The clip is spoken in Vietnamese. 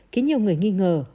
khiến nhiều người nghi ngờ